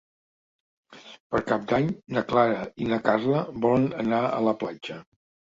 Per Cap d'Any na Clara i na Carla volen anar a la platja.